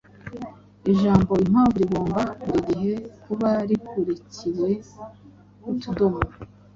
Ijambo impamvu rigomba buri gihe kuba rikurikiwe n’utudomo